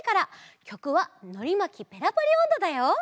きょくは「のりまきペラパリおんど」だよ。